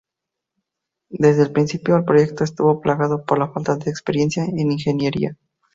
Desde el principio, el proyecto estuvo plagado por la falta de experiencia en ingeniería.